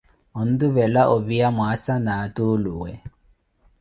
Ontuvela opiya mwaasa na atuluwe.